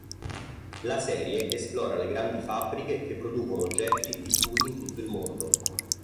La serie esplora le grandi fabbriche che producono oggetti diffusi in tutto il mondo.